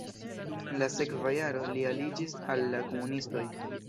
En la sekva jaro li aliĝis al la komunistoj.